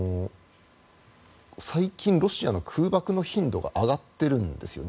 最近、ロシアの空爆の頻度が上がってるんですよね。